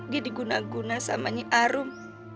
gak ada guna guna sama nyai arum